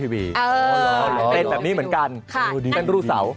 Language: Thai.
เป็นแบบนี้เหมือนกันเป็นรูเสา